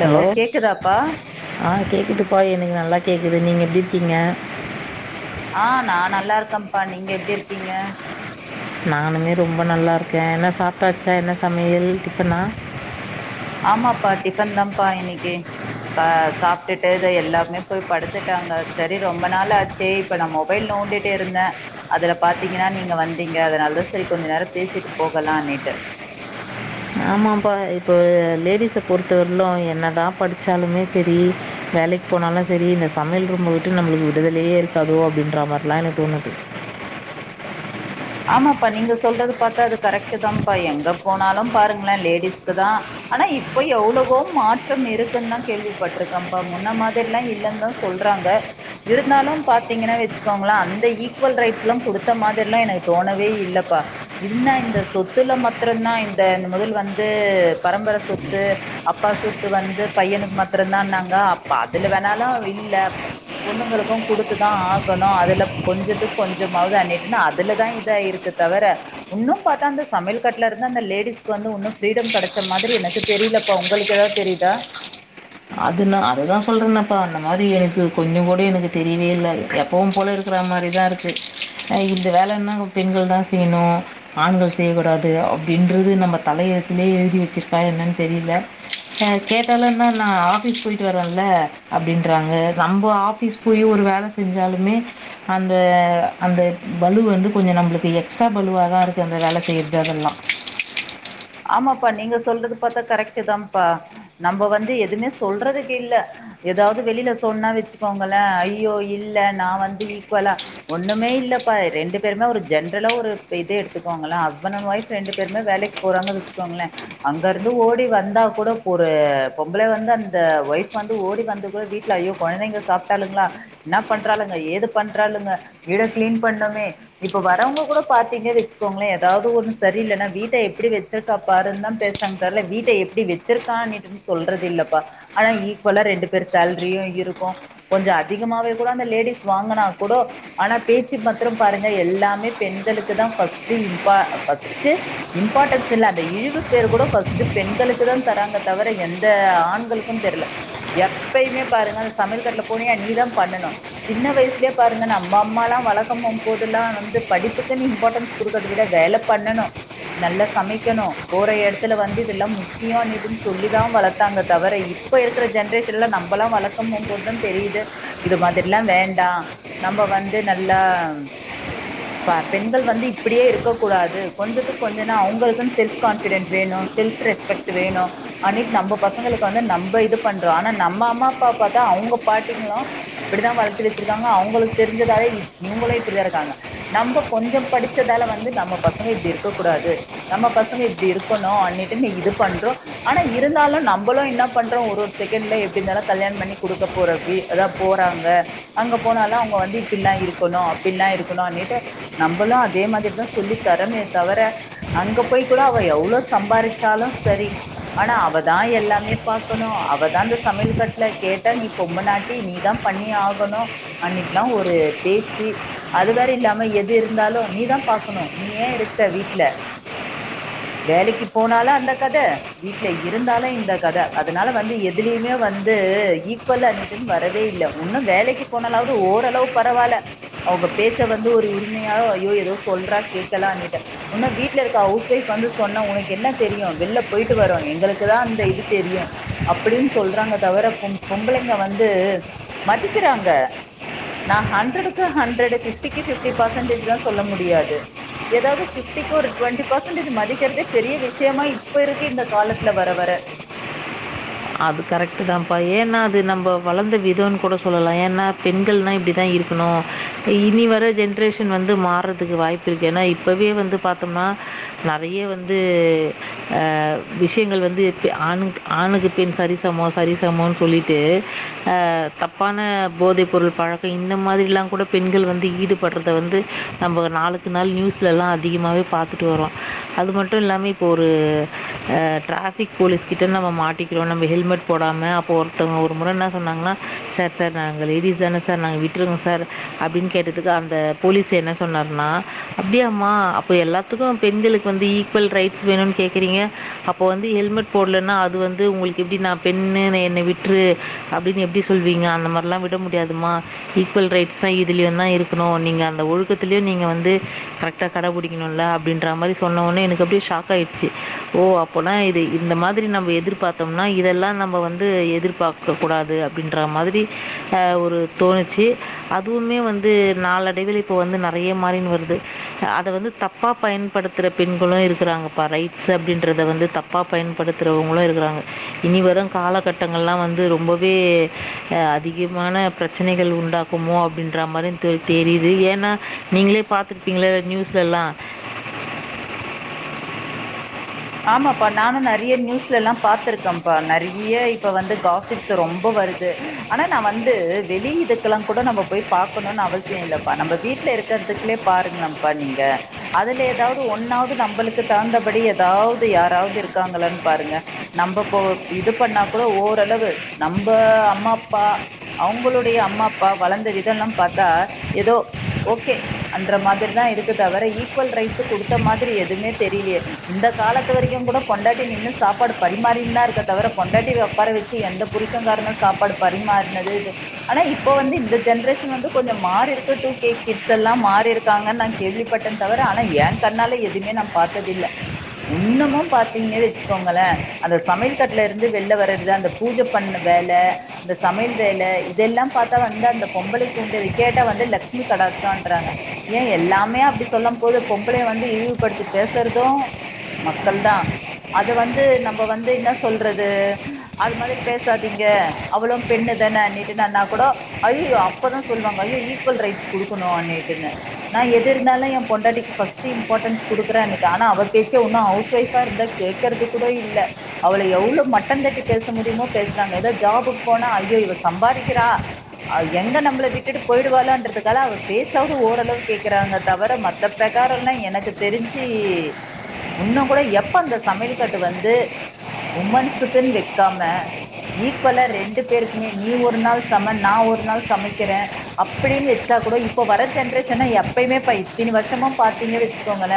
hello ஆ கேக்குதுப்ப எனக்கு நல்லா கேக்குது நீங்க எப்டி இருக்கீங்க ஆ நா நல்லா இருக்கப்பா நீங்க எப்டி இருக்கீங்க நானுமே ரொம்ப நல்லாருக்க என்ன சாப்டாச்சா என்ன சமையல் டிஃபனா ஆமாப்பா டிஃபன் தாப்பா இன்னைக்கி ஆ சாப்ட்டுட்டு இது எல்லாமே போய் படுத்துட்டாங்க சரி ரொம்ப நாள் ஆச் சே இப்ப நா மொபைல் நோண்டுட்டே இருந்த அதுல பாத்தீங்கனா நீங்க வந்தீங்க அதனால தா சரி கொஞ்ச நேரோ பேசிட்டு போகலானிட்டு ஆமாப்பா இப்போ லேடிஸ பொறுத்தவர்லோ என்னதா படிச்சாலுமே செரி வேலைக் போனாலு செரி இந்த சமையல் ரூம்ம விட்டு நம்மளுக்கு விடுதலையே இருக்காதோ அப்டின்ற மாரில எனக்கு தோணுது ஆமாப்பா நீங்க சொல்றது பாத்தா அது கரெக்ட்டு தாப்பா எங்க போனாலு பாருங்களே லேடிஸ்க்கு தா ஆனா இப்ப எவ்வளவோ மாற்றம் இருக்குன் தா கேள்விப்பட்டிருக்க பா முன்ன மாதிரில்லா இல்லந்தா சொல்றாங்க இருந்தாலும் பாத்தீங்கன்னா வச்சுக்கோங்களா அந்த ஈக்குவல் ரைட்ஸ் எல்லா குடுத்த மாதிரில்லா எனக் தோணவே இல்லப்பா இன்ன இந்த சொத்துல மத்றதா இந்த முதல் வந்து பரம்பர சொத்து அப்பா சொத்து வந்து பையனுக்கு மத்திரதான்னாங்க அப் அதுல வேணாலு இல்லப் பொண்ணுங்களுக்கு குடுத்து தா ஆகணு அதுல கொஞ்சத்துக்கு கொஞ்சமாவது அனேட்டுன்னு அதுலதா இதா இருக்கு தவிர உன்னும் பாத்தா அந்த சமயல் கட்டல இருந்து அந்த லேடிஸ்கு வந்து உன்னு பிரீடம் கெடைச்ச மாரி எனக்கு தெரியலப்பா உங்களுக்கு ஏதாவது தெரியுதா அதுன அதுதா சொல்றேனப்ப அந்த மாரி எனக்கு கொஞ்சோ கூட எனக்கு தெரியவே இல்ல எப்பவு போல இருக் இருக்குற மாரி தா இருக்கு அ இந்த வேலன்ன பெண்கள் தா செய்யணு ஆண்கள் செய்யக்கூடாது அப்டின்றது நம்ம தலையத்திலயே எழுதி வச்சிருக்கா என்ன தெரியல ச கேட்டாலு என்னண்ணா ஆபீஸ் போயிட்டு வரல்ல அப்டின்றாங்க நம்ப ஆபீஸ் போய் ஒரு வேல செஞ்சாலுமே அந்த அந்த பளு வந்து கொஞ்ச நம்மளுக்கு எக்ஸ்ட்ரா பளுவா தா இருக்கு அந்த வேல செய்ரது அதெல்லா ஆமாப்பா நீங்க சொல்றது பாத்தா கரெக்டு தான்ப்பா நம்ம வந்து எதுவுமே சொல்றதுக்கு இல்ல ஏதாவது வெளியில சொன்னா வச்சுக்கோங்களே ஐயோ இல்ல நா வந்து ஈக்குவலா ஒண்ணுமே இல்லப்பா ரெண்டு பேருமே ஒரு ஜென்ரலா ஒரு இதே எடுத்துக்கோங்கள ஹஸ்பண்ட் அண்ட் ஒயஃப் ரெண்டு பேருமே வேலைக் போறாங்க வச்சுக்கோங்களே அங்க இருந்து ஓடி வந்தா கூட ஒரு பொம்பள வந்து அந்த ஒய்ஃப் வந்து ஓடி வந்து கூட வீட் ஐயோ கொழந்தைங்க சாப்பிட்டாலுங்களா என்ன பண்றாளுங்க ஏது பண்றாளுங்க வீட கிளீன் பண்னுமே இப்ப வரவங்க கூட பாத்தீங்க வச்சுக்கோங்களே ஏதாவது ஒண்ணு சரியில்லைன்னா வீட்ட எப்டி வச்சிருக்கா பாரு தா பேசாங்க தவிர வீட்டை எப்டி வச்சிருக்கான்னுட்டுன் சொல்றது இல்லப்பா ஆனா ஈக்குவலா ரெண்டு பேர் சேல்ரியு இருக்கு கொஞ்ச அதிகமாவே கூட அந்த லேடிஸ் வாங்குனா கூடோ ஆனா பேச்சு மத்திரம் பாருங்க எல்லாமே பெண்களுக்கு தா ஃபஸ்ட் இம்ப் ஃபஸ்ட்டு இம்பார்ட்டன்ஸ் இல்ல அந்த இழிவு பேர் கூட ஃபர்ஸ்ட் பெண்களுக்கு தா தராங்க தவிர எந்த ஆண்களுக்கு தெர்ல எப்பயுமே பாருங்க அந்த சமையல் கட்ல போனியா நீ தா பண்ணனு சின்ன வயசுலயே பாருங்க நம்ப அம்மாலா வளக்கும் ம் போதெல்லா வந்து படிப்புக்குன்னு இம்பார்ட்டன்ஸ் குடுக்கறத விட வேல பண்ணணு நல்லா சமைக்கணு போற எடத்துல வந்து இதெல்லா முக்கியனுட்டுன்னு சொல்லி தா வளத்தாங்க தவற இ ப்ப இருக்க ஜென்ரேஷன்ல நம்மளா வளர்கம்போது தெரியுது இது மாதிரில்லா வேண்டா நம்ம வந்து நல்லா ப பெண்கள் வந்து இப்டியே இருக்க கூடாது கொஞ்சத்து கொஞ்சனா அவங்களுளுக்கு செல்ஃப் கான்பிடெட் வேணு செல்ஃப் ரெஸ்பெக்ட் வேணு அனிக் நம்ம பசங்களுக்கு வந்து நம்ம இது பண்றோ ஆனா நம்ம அம்மா அப்பா பாத்தா அவங்க பாட்டீங்களு அப்டித்தா வளத்து வச்சிருக்காங்க அவுங்களுக் தெரிஞ்சதாலே இவ் இவுங்களயு இப்டிதா இருக்காங்க நம்ப கொஞ்சோ படிச்சதால வந்து நம்ம பசங்க இப்டி இருக்க கூடாது நம்ப பசங்க இப்டி இருக்கணு அன்னிட்டு நீ இது பண்றோ ஆனா இருந்தாலு நம்பளு என்ன பண்றோ ஒரு செகண்ட்ல எப்டிருந்தாலு கல்யாணம் பண்ணி குடுக்க போற வீட் அதா போறாங்க அங்க போனாலு அவுங்க வந்து இப்பில்லா இருக்கணு அப்பில்லா இருக்கணு அப்டின்ட்டு நம்பளு அதே மாதிரி தா சொல்லி தரமே தவிர அங்க போய் கூட அவ எவ்ளோ சம்பாருச்சாலு சரி ஆனா அவதா எல்லாமே பாக்கணு அவதா இந்த சமையல் கட்ல கேட்டா நீ பொம்முனாட்டி நீதா பண்ணி ஆகணு அன்னிட்டுல்லா ஒரு பேச்சு அது வேற இல்லாம எது இருந்தாலு நீதா பாக்கணு நீ ஏ இருக்க வீட்ல வேலைக்கீ போனாலு அந்த கத வீட்ல இருந்தாலு இந்த கத அதுனால வந்து எதுலயுமே வந்து ஈக்குவல்லா நின் ட்டு வரவே இல்ல ஒன்னு வேலைக்கு போனாலாவது ஓரளவு பரவால்ல அவுங்க பேச்ச வந்து ஒரு உரிமையா ஐயோ ஏதோ சொல்றா கேக்லானிட்டு உன்ன வீட்ல இருக்க ஹவுஸ் ஒய்ப் வந்து சொன்னா உனக் என்ன தெரியு வெள்ள போயிட்டு வரோ எங்களுக்கு தா அந்த இது தெரியு அப்டின்னு சொல்றாங்க தவிர பொம் பொம்பளைங்க வந்து மதிக்கிறாங்க நா ஹண்ட்ரடுக்கு ஹண்ட்ரட் பிஃப்டிக்கு பிஃப்டி பெர்சன்டேஜ்லா சொல்ல முடியாது ஏதாவுது பிஃப் டிக்கு ஒரு டுவென்டிபர்சடேஜ் மதிக்கிறதே பெரிய விஷயமா இப்ப இருக்கு இந்த காலத்துல வர வர அது கரெக்டு தான்ப்பா ஏன்னா அது நம்ம வளந்த விதோன்னு கூட சொல்லலா ஏன்னா பெண்கள்னா இப்டி தா இருக் இனி வர ஜென்ரேஷன் வந்து மார்றதுக்கு வாய்ப்பு இருக்கு ஏன்னா இப்பவே வந்து பாத் க்குனா நெறய வந்து ஆ விஷயங்கள் வந்து இக்கு ஆணுக் ஆணுக்கு பெண் சரிசமோ சரிசமோன்னு சொல்லிட்டு ஆ தப்பான போதை பொருள் பழக் இப்ப இந்த மாதிரில்லா கூட பெண்கள் வந்து ஈடுபடுறது வந்து நம்ப நாளுக்கு நாள் நியூஸ்லல்லா அதிகமாவே பாத் ட்டுட்டு வரோ அது மட்டு இல்லாம இப்ப ஒரு ஆ டிராஃபிக் போலீஸ் கிட்ட நம்ம மாட் டிக்கிறோ நம்ம ஹெல்மெட் போடாம அப்ப ஒருத்தோங்க ஒரு முற என்ன சொன்னாங்கன்னா சார் சார் நாங்க லேடிஸ் தான சார் நாங்க வீட் ட்ருங்க சார் அப்டின்னு கேட்டதுக்கு அந்த போலீஸே என்ன சொன்னார்னா அப்டியாமா அப்ப எல்லாத் துக்கு பெண்களுக்கு வந்து ஈக்குவல் ரைட்ஸ் வேணுனு கேக்குறீங்க அப்போ வந்து ஹெல்மெட் போடலன்னா அது வந் து உங்ளுக்கு எப்டி நா பெண்ணு என்ன விட்டுரு அப்டின்னு எப்டி சொல்லுவீங்க அந்த மாறில்லா விட முடியாதுமா ஈக்குவல் ரைட்ஸ் னா இதுலயு தா இருக்கணு நீங்க அந்த ஒழுக்கத்துலயு நீங்க வந்து கரெக் ட்டா கடபுடிக்கணுல்ல அப்டின்ற மாறி சொன்ன ஒன்னே எனக்கு அப்டியே ஷாக் ஆயிடுச்சு ஓ அப்போனா இது இந்த மாதிரி நம்ப எதிர்பார் த்தோம்னா இதெல்லா நம்ப வந்து எதிர்பாக்க கூடாது அப்டின்ற மாதிரி ஆ ஒரு தோணுச்சு அதுவுமே வந்து நாளடைவில் இப்போ வந்து நெறய மாறின்னு வருது அத வந்து தப் பா பயன்படுத்துற பெண்களு இருக்குறாங்கப்பா ரைட்ஸ் அப்டின்றத வந்து தப்பா பயன்படுத்துறோங்களு இருக்குறாங்க இனி வரு காலகட்டங்கள்லா வந்து ரொம்பவே ஆ அதிகமான ப்ரச்சனைகள் உண்டாகு குமோ அப்டின்ற மாறி தெரி தெரியுது ஏன்னா நீங்ளே பாத்திருப்பீங்ள்ல நியூஸ்ல எல்லா ஆமாப்பா நானு நெறய்யே நியூஸ்லெல்லா பாத்திருக்கேன்ப்பா நிறைய்ய இப்ப வந்து காசிப்ஸ் து ரொம்ப வருது ஆனா நா வந்து வெளி இதுக்கெல்லா கூட நம்ம போய் பாக்கணுனு அவசியோ இல்லப்பா நம்ப வீட் ல இருக்கிறதுக்லே பாருங்களேம்ப்பா நீங்க அதுல ஏதாவ்து ஒன்னாவது நம்பளுக்கு தகுந்தபடி எது தாவுது யாராவது இருக்காங்களான்னு பாருங்க நம்ப போ இது பண்ணா கூட ஓரளவு நம்ப அம்மா ப்பா அவுங்களுடைய அம்மா அப்பா வளந்த விதெல்லோ பாத்தா எதோ ஓகே அன்ற மாதிரி தா இருக்கு தவிர ஈக்குவல் ரைட்ஸ் குடுத்த மாதிரி எதுவுமே தெரிலியே இந்த காலத்து வரக்கு கூட பொண்டாட்டி நின்னு சாப்பாடு பரிமாறின்தா இருக்க தவிர பொண்டாட்டிய ஒக்கார வச் த்து எந்த புருஷகாரனு சாப்பாடு பரிமாறுனது இது ஆனா இப்ப வந்து இந்த ஜென்ரேஷன் வந்து கொஞ்சோ மாறி இருக்கு டூ கே கிட்ஸ் எல்லா மாறி இருக்காங்கான்னு நா கேள்வி பட்டே தவிர ஆனா ஏ கண்ணால எதுமே நா பாத்தது இல்ல உன்னமு பாத்தீங்க வச்சுக்கோங்களே அந்த சமையல் கட்ல இருந்து வெள்ல வர்றது அந்த பூஜ பண்ண வேல இந்த சமையல் வேல இதெல்லா பாத்தா வந்து அந்த பொம்பளை குண்டவை கேட்டா வந்து லட்சுமி கடாச்சங்றாங்க ஏ எல்லாமே அப்டி சொல்லும் போது பொம்பளைய வந்து இழிவு படுத்தி பேசுறது மக்கள் தா அத வந்து நம்ப வந்து இன்னா சொல்றது அது மாரி பேசாதீங்க அவளு பெண்ணு தான அண்ணிட்டுண்ணா கூடோ ஐய்யய்யோ அப்பதா சொல்லுவாங்க ஐயோ ஈக்வல் ரைட்ஸ் குடுக்கணு அன்னிட்டுன்னு நா எதிர்னாலு எ பொண்டாட்டிக்கு ஃபர்ஸ்ட் இம்பார்ட்டன்ஸ் குடுக்குறன்னிட்டு ஆனா அவ பேச்சே உன்னோ ஹவுஸ் ஒய்ஃப்பா இருந்தா கேட்கறது கூட இல்ல அவள எவ்ளோ மட்ட தட்டி பேச முடியுமோ பேசுறாங்க ஏதோ ஜாபுக்கு போனா ஐயோ இவ சம்பாதிக்கிறா எங்க நம்பள விட்டுட்டு போயிடுவாலோன்றதுக்காக அவ பேச்சாவது ஓரளவு கேக்குறாங்க தவர மத் த பிரகாரல்லா எனக்கு தெரிஞ்சி உன்னோ கூட எப்ப அந்த சமையல் கட்டு வந்து உமன்ஸுக்குன்னு வெக்காம ஈக்வலா ரெண்டு பேருக்குமே நீ ஒரு நாள் சம நா ஒரு நாள் சமைக்குற அப்டின் வெச்சா கூட இப்ப வர ஜென்ரேஷன்னா எப்பயுமே இப்ப இத்தனி வருஷமா பாத்தீங்க வச்சுக்கோங்கள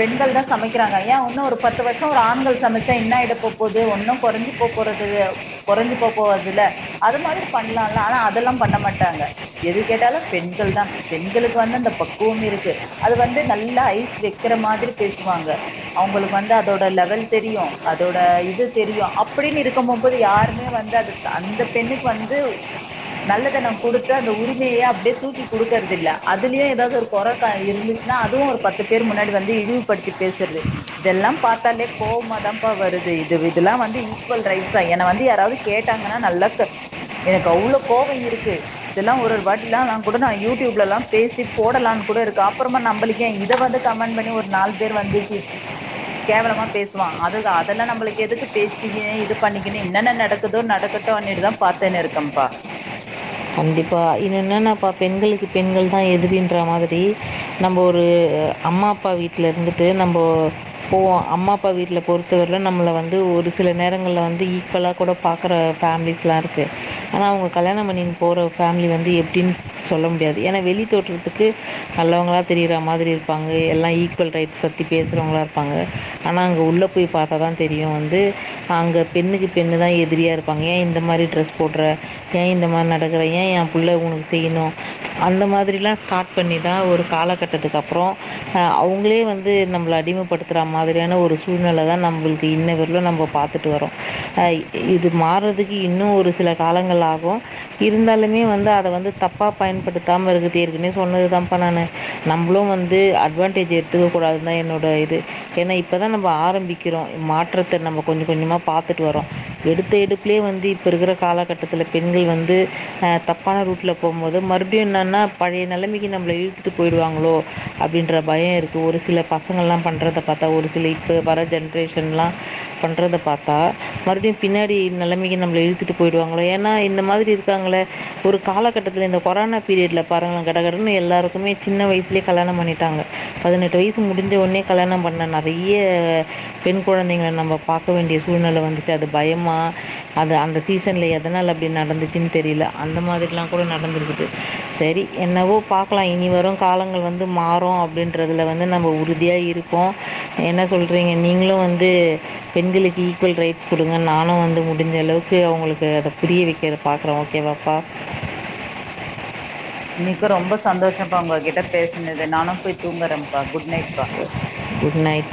பெண்கள் தா சமைக்கிறாங்க ஏ உன்னோ ஒரு பத்து வருஷோ ஒரு ஆண்கள் சமச்சா என்ன ஆய்ட போப்போது ஒன்னு கொறஞ்சு போப்போறதுல்ல கொறஞ்சு போ போர்து இல்ல அது மாதிரி பண்லால ஆனா அதெல்லா பண்ண மாட்டாங்க எது கேட்டாலு பெண்கள் தா பெண்களுக்கு வந்து அந்த பக்குவம் இருக்கு அது வந்து நல்லா ஐஸ் வெக்கற மாதிரி பேசுவாங்க அவங்ளுக் வந்து அதோட லெவல் தெரியு அதோட இது தெரியோ அப்டின்னு இருக்கும் மோபோது யாருமே வந்து அது அந்த பெண்ணுக்கு வந்து நல்லத நம் குடுத்து அந்த உரிமையே அப்டியே தூக்கி குடுக்கற்து இல்ல அதுலயு ஏதாவது ஒரு கொற க இருந்துச் னா அதுவு ஒரு பத்து பேரு முன்னாடி வந்து இழிவுபடுத்தி பேசர்து இதெல்லா பாத்தாலே கோவமாதா ப்பா வருது இது இதெல்லா வந்து ஈ ஈக்வல் ரைட்ஸ் தா என்ன வந்து யாராவது கேட்டாங்ன்னா நல்லா எனக்கு அவ்ளோ கோவோ இருக்கு இதெல்லா ஒரு ஒரு வாட்டிலா நா கூட தா யூடியூப்லல்லா பேசி போடலான் கூட இருக்கு அப்பறமா நம்பளுக் ஏ இத வந்து கமெண்ட் பண்ணி ஒரு நாலு பேரு வந்து திட் கேவலமா பேசுவா அது அதெல்லா நம்பளுக் எதுக்கு பேச்சிக்க இது பண்ணிக்குனு என்னன்ன நடக்குதோ நடக்கட் டோனிட்டு தா பாத்துன்னு இருக்கம்ப்பா கண்டிப்பா இன்ன என்னன்னாப்பா பெண்களுக்கு பெண்கள் தா எதிரின்ற மாதிரி நம்ப ஒரு அம்மா அப்பா வீட்ல இருந்துட்டு நம்போ போவோ அம்மா அப்பா வீட்ல பொறுத்தவர்ல நம்பள வந்து ஒரு சில நேரங்கள்ல வந்து ஈக்வலா கூட பாக்குற ஃபேமிலிஸ்லா இருக்கு ஆனா அவங்க கல்யாணம் பண்ணின் போற ஃபேமிலி வந்து எப்டின்னு சொல்ல முடியாது ஏன்னா வெளி தோட்றத்துக்கு நல்லவங்ளா தெரியரா மாதிரி இரு காங்க எல்லா ஈக்வல் ரைட்ஸ் பத்தி பேசுறவங்ளா இருப்பாங்க ஆனா அங்க உள்ள போய் பாத் தா தெரியு வந்து அங்க பெண்ணுக்கு பெண்ணு தா எதிரியா இருப்பாங்க ஏ இந்த மாரி ட்ரெஸ் போட்ற ஏ இந்த மார் நடக் குற ஏ எ புள்ள உனக்கு செய்யனு அந்த மாதிரிலா ஸ்டார்ட் பண்ணி தா ஒரு காலகட்டத்துக்கு அப்றோ அ அவுங்ளே வந்து நம்பள அடிமப்படுத்துற மாதிரியான ஒரு சூழ்நெல தா நம்ளுக் இன்னவர்லு நம்ப பாத் த்துட்டு வரோ அ இது மாறதுக்கு இன்னோ ஒரு சில காலங்கள் ஆகு இருந்தாலுமே வந்து அத வந்து தப்பா பயன்படுத்தாம இருட்டே இருக்குன்னு சொன்னது தான்ப்பா நானு நம்புளு வந்து அட்வான்டேஜ் எடுத்துக்க கூடாதுதா என்னோட இது ஏன்னா இப்பதா நம்ப ஆரம்பிக் க்கிறோ மாற்றத்த நம்ப கொஞ்சோ கொஞ்சமா பாத்துட் வரோ எடுத்த எடுப்லே வந்து இப்போ இருக்குற கால கட்டத்துல பெண்கள் வந்து அ தப்பான ரூட்ல போம்மோது மறுப்டியோ என்னன்னா பழைய நெலமைக்கு நம்மள இழுத்துட்டு போயிடுவாங்ளோ அப்டின்ற பயோ இருக்கு ஒரு சில பசங்கள்லா பண்றத பாத்தா ஒரு சில இப்போ வர ஜென்ரேஷன் ல்லா பண்றத பாத்தா மறுபடியு பின்னாடி நெலமைக்கு நம்மள இழுத்துட்டு போயிடுவாங்களோ ஏன்னா இந்த மாதிரி இரு இருக்காங்களே ஒரு காலகட்டத்தில இந்த கொரோனா பீரியட்ல பாரே கட கடனு எல்லாருக்குமே சின்ன வயசுலயே கல்யாணோ பண்ணிட்டாங்க பதினெட்டு வயசு முடிஞ்ச ஒடனே கல்யாணோ பண்ண நெறைய பெண் கொழந்தைங்கள நம்ம பாக்க வேண்டிய சூழ்நில வந்துச்சு அது பயமா அது அந்த சீசன்ல எதனால அப்டி நடந்துச்சுனு தெரியல அந்த மாதிரிலா கூட நடந்துருக்குது செரி என்னவோ பாக்கலா இனி வரு காலங்கள் வந்து மாறு அப்டின்றதுல வந்து நம்ம உறுதியா இருக்கோ என்ன சொல்றீங்க நீங்களு வந்து பெண்களுக்கு ஈக்குவல் ரைட்ஸ் குடுங்க நானு வந்து முடிஞ்ச அளவுக்கு அவுங்களுக்கு அத புரிய வக்கிற பாக்குறோ ஓகேவாப்பா இன்னைக்கு ரொம்ப சந்தோஷப்பா உங்ககிட்ட பேசுனது நானு போய் தூங்குறேப்பா குட் நைட் பா குட் நைட்